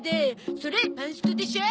それパンストでしょ？